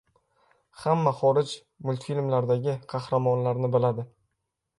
Hamma xorij multfilmlaridagi qahramonlarni biladi.